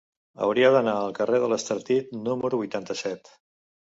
Hauria d'anar al carrer de l'Estartit número vuitanta-set.